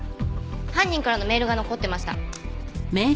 犯人からのメールが残ってました。